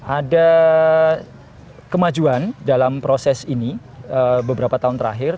ada kemajuan dalam proses ini beberapa tahun terakhir